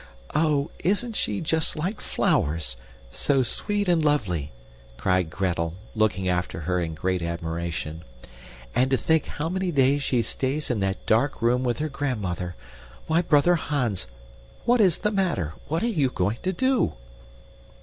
"Oh, isn't she just like flowers so sweet and lovely!" cried Gretel, looking after her in great admiration. "And to think how many days she stays in that dark room with her grandmother. Why, brother Hans! What is the matter? What are you going to do?"